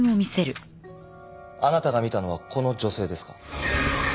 あなたが見たのはこの女性ですか？